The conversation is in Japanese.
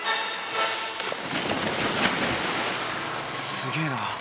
すげえな！